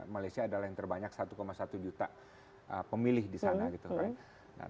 malaysia adalah yang terbanyak satu satu juta pemilih di sana gitu kan